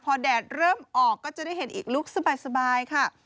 พอแดดเริ่มออกก็จะได้เห็นอีกลุคสบายค่ะ